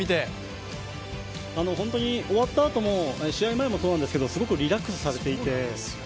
終わったあとも、試合前もそうだったんですけどすごくリラックスされていて。